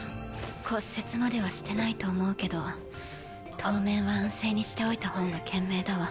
骨折まではしてないと思うけど当面は安静にしておいた方が賢明だわ。